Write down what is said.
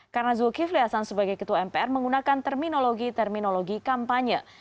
karena zulkifli hasan sebagai ketua mpr menggunakan terminologi terminologi kampanye